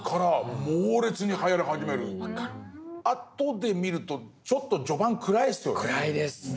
後で見るとちょっと序盤暗いですよね。